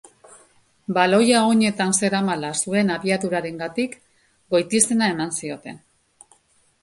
Baloia oinetan zeramala zuen abiadurarengatik, goitizena eman zioten.